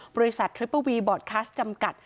บริษัททริปเปอร์วีบอร์ดคัสจำกัด